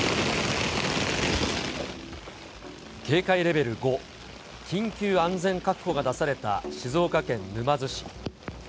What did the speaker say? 警戒レベル５、緊急安全確保が出された静岡県沼津市。